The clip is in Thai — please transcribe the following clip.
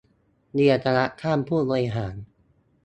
เรียนคณะท่านผู้บริหาร